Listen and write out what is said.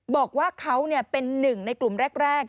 บอกว่าเขาเป็นหนึ่งในกลุ่มแรก